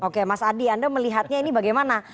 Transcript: oke mas adi anda melihatnya ini bagaimana